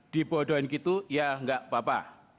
dibodohin begitu ya tidak apa apa